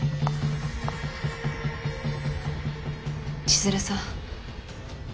千弦さん。